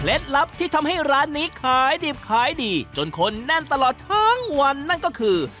ลับที่ทำให้ร้านนี้ขายดิบขายดีจนคนแน่นตลอดทั้งวันนั่นก็คือ